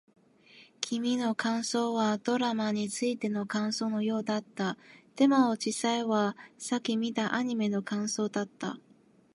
君の感想はドラマについての感想のようだった。でも、実際はさっき見たアニメの感想だった。